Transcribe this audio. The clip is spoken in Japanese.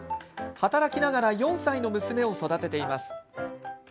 働きながら４歳の娘を育てています。